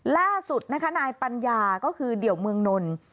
ล่าสุดนะคะนายปัญญาก็คือเดี่ยวเมืองนนท์